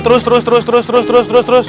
terus terus terus terus terus terus terus